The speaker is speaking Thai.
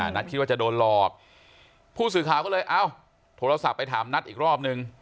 นัทคิดว่าจะโดนหลอกผู้สื่อข่าวก็เลยเอ้าโทรศัพท์ไปถามนัทอีกรอบนึง